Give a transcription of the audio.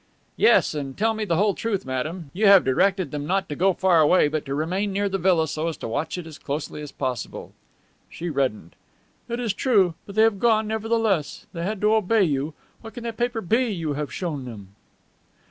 "Yes, and tell me the whole truth, madame. You have directed them not to go far away, but to remain near the villa so as to watch it as closely as possible." She reddened. "It is true. But they have gone, nevertheless. They had to obey you. What can that paper be you have shown them?"